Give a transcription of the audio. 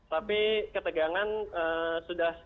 tapi ketegangan sudah